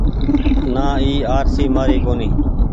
نآ اي آرسي مآري ڪونيٚ ۔